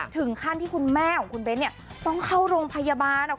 ถึงขั้นที่คุณแม่ของคุณเบ้นต้องเข้าโรงพยาบาล